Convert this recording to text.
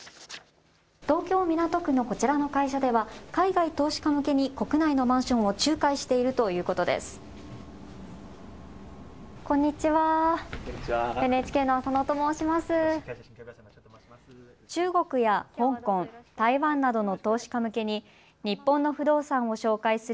東京港区のこちらの会社では海外投資家向けに国内のマンションを仲介しているということです。